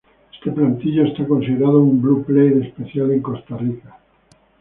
Este platillo es considerado un blue-plate special en Costa Rica.